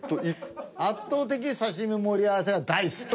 圧倒的さしみ盛り合わせが大好き。